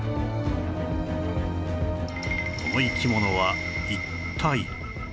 この生き物は一体